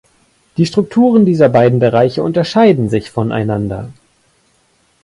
Die Strukturen dieser beiden Bereiche unterscheiden sich voneinander.